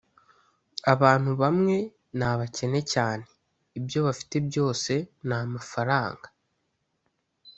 abantu bamwe ni abakene cyane, ibyo bafite byose ni amafaranga.